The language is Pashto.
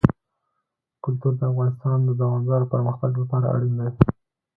کلتور د افغانستان د دوامداره پرمختګ لپاره اړین دي.